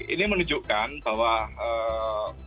ini menunjukkan bahwa bukan hanya kasus itu saja